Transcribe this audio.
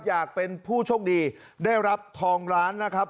อยากเป็นผู้โชคดีได้รับทองล้านนะครับ